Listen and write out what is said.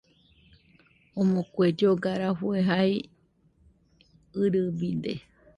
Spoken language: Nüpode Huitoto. Omo kue lloga rafue jae ɨrɨbide